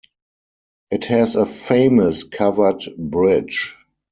It has a famous covered bridge.